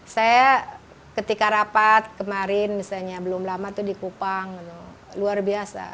saya ketika rapat kemarin misalnya belum lama itu di kupang luar biasa